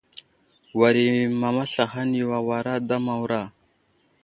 War i mama slahaŋ yo awara ada Mawra.